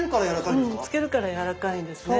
うん漬けるからやわらかいんですね。